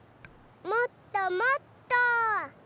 もっともっと！